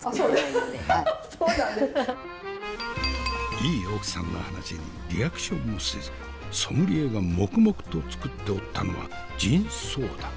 いい奥さんの話にリアクションもせずソムリエが黙々と作っておったのはジンソーダ。